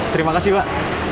terima kasih pak